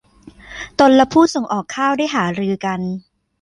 ตนและผู้ส่งออกข้าวได้หารือกัน